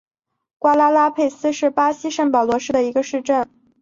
瓜拉拉佩斯是巴西圣保罗州的一个市镇。